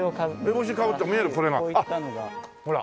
烏帽子かぶった見えるこれが。ほら！